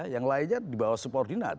yang lainnya dibawah subordinat